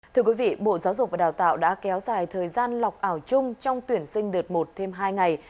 thưa quý vị bộ giáo dục và đào tạo đã kéo dài thời gian lọc ảo chung trong tuyển sinh đợt một thêm hai ngày